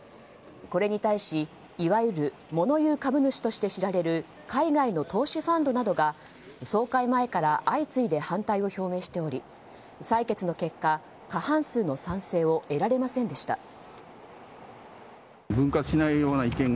これに対しいわゆるモノ言う株主として知られる海外の投資ファンドなどが総会前から相次いで反対を表明しており採決の結果、過半数の賛成を得られませんでした。